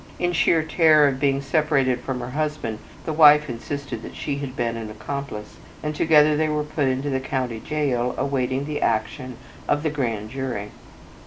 In sheer terror of being separated from her husband, the wife insisted that she had been an accomplice, and together they were put into the county jail awaiting the action of the Grand Jury.